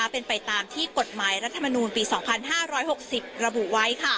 เป็นไปตามที่กฎหมายรัฐมนูลปี๒๕๖๐ระบุไว้